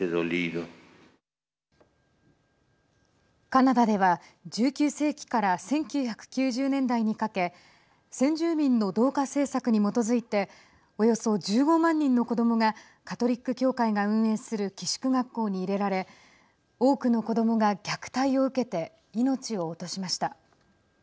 カナダでは、１９世紀から１９９０年代にかけ先住民の同化政策に基づいておよそ１５万人の子どもがカトリック教会が運営する寄宿学校に入れられ多くの子どもが虐待を受けて命を落としました。